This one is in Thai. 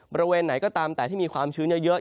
บริเวณไหนก็ตามแต่ที่มีความชื้นเยอะ